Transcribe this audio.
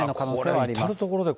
これは至る所で